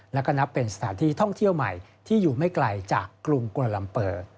แล้วก็นับเป็นสถานที่ท่องเที่ยวใหม่ที่อยู่ไม่ไกลจากกรุงโกลัมเปอร์